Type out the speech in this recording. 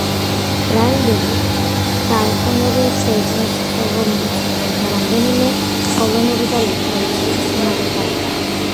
რაინდები დაუყოვნებლივ შეიჭრნენ სასაზღვრო მიწებზე და რამდენიმე პოლონური და ლიტვური ციხესიმაგრე დაიკავეს.